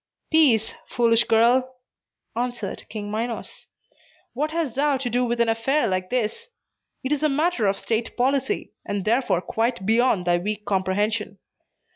"Peace, foolish girl!" answered King Minos. "What hast thou to do with an affair like this? It is a matter of state policy, and therefore quite beyond thy weak comprehension.